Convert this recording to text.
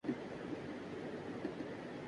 توپھر امید ہے کہ یہاں کے عوام کی حالت بھی بدلے گی۔